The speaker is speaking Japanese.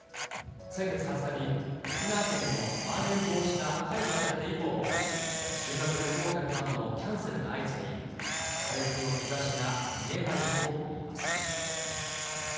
先月２０日に沖縄県のまん延防止が解除されて以降も、修学旅行客などのキャンセルが相次ぎ、回復の兆しが見えないといいます。